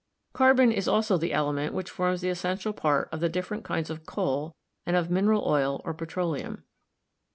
Carbon is also the element which forms the essential part of the different kinds of coal and of mineral oil or petroleum.